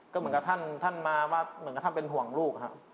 ก็เหมือนกับท่านมาเหมือนกับท่านเป็นห่วงลูกครับ